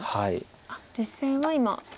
実戦は今。